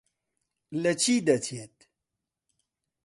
لە چی دەچێت؟